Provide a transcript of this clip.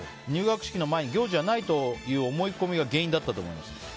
入学式の前に行事はないという思い込みが原因だったと思います。